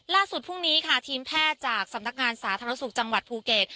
พรุ่งนี้ค่ะทีมแพทย์จากสำนักงานสาธารณสุขจังหวัดภูเก็ต